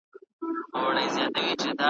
جهاني به له دېوان سره وي تللی `